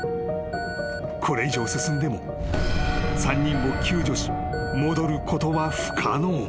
［これ以上進んでも３人を救助し戻ることは不可能］